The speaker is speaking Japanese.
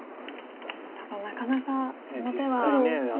ただなかなかその手は。